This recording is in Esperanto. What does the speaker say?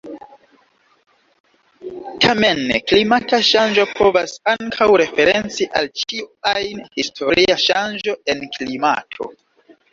Tamen klimata ŝanĝo povas ankaŭ referenci al ĉiu ajn historia ŝanĝo en klimato.